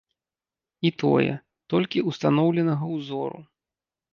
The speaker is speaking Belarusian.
І тое, толькі устаноўленага ўзору.